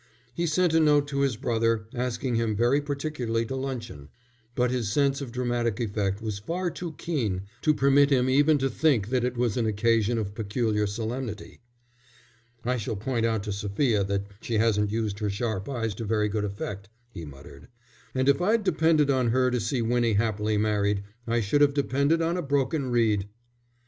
He sent a note to his brother asking him very particularly to luncheon, but his sense of dramatic effect was far too keen to permit him even to hint that it was an occasion of peculiar solemnity. "I shall point out to Sophia that she hasn't used her sharp eyes to very good effect," he muttered. "And if I'd depended on her to see Winnie happily married, I should have depended on a broken reed."